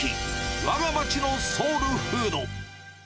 わが町のソウルフード。